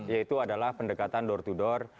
yaitu adalah pendekatan door to door